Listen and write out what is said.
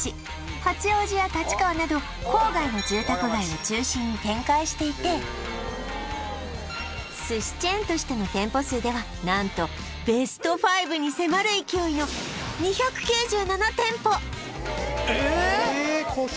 八王子や立川など郊外の住宅街を中心に展開していて寿司チェーンとしての店舗数では何とベスト５に迫る勢いのえーっ！？